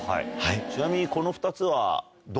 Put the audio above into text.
ちなみにこの２つは。